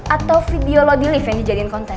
atau video lo di leave yang dijadiin konten